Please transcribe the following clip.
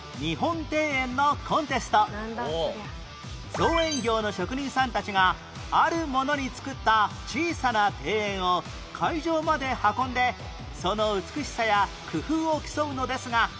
造園業の職人さんたちがあるものに造った小さな庭園を会場まで運んでその美しさや工夫を競うのですが